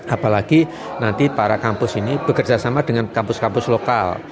apalagi nanti para kampus ini bekerja sama dengan kampus kampus lokal